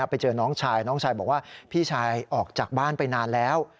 ไปเจอน้องชายน้องชายบอกว่าพี่ชายออกจากบ้านไปนานแล้ว